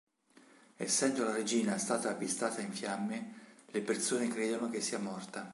Essendo la regina stata avvistata in fiamme, le persone credono che sia morta.